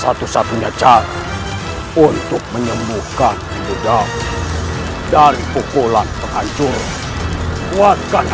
aku tidak tega melihat ibu anda seperti itu ayah